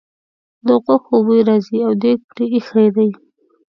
د غوښو بوی راځي او دېګ پرې ایښی دی.